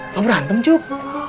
kamu berantem cuk